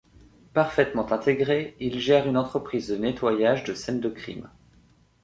Parfaitement intégré, il gère une entreprise de nettoyage de scène de crime.